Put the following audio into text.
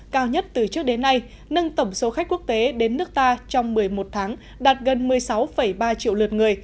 cao nhất từ trước đến nay nâng tổng số khách quốc tế đến nước ta trong một mươi một tháng đạt gần một mươi sáu ba triệu lượt người